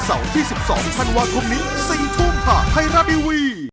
เสาร์ที่๑๒ธันวาคมนี้ซิงทุ่มภาพไทราบีวี